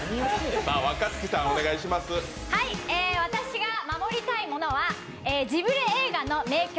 私が守りたいものは、ジブリ映画の名曲